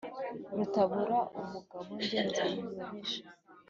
rutabura ubugabo ngeze mu babisha